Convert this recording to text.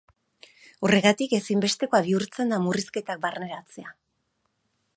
Horregatik, ezinbestekoa bihurtzen da murrizketak barneratzea.